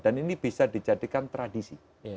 dan ini bisa dijadikan tradisi